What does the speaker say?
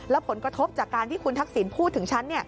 และผลกระทบจากการที่คุณทักษิณพูดถึงฉัน